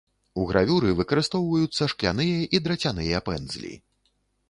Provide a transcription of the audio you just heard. У гравюры выкарыстоўваюцца шкляныя і драцяныя пэндзлі.